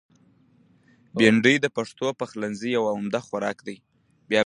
بېنډۍ د پښتو پخلنځي یو عمده خوراک دی